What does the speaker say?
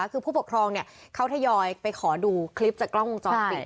คือผู้ปกครองเนี่ยเขาทยอยไปขอดูคลิปจากกล้องจอดติด